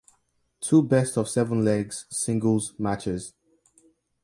Two best of seven legs singles matches.